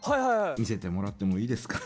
見せてもらってもいいですか？